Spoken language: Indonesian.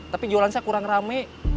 tapi jualan saya kurang rame